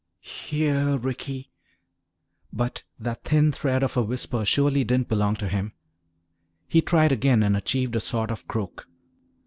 "Here, Ricky!" But that thin thread of a whisper surely didn't belong to him. He tried again and achieved a sort of croak.